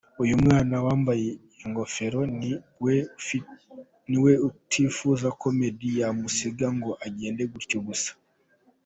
Uyu mwana wambaye ingofero ni we utifuza ko Meddy yamusiga ngo agende gutyo gusa.